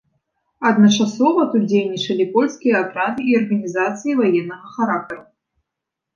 Адначасова тут дзейнічалі польскія атрады і арганізацыі ваеннага характару.